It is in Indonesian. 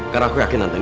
karena aku yakin nante